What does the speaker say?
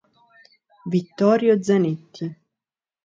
Vittorio Zanetti